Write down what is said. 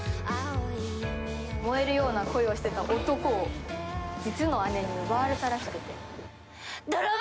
燃えるような恋をしていた男を実の姉に奪われたらしくて。